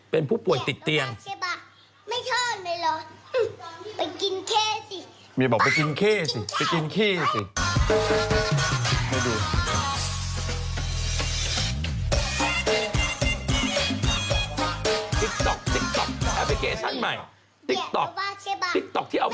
เป็นผู้ป่วยติดเตียง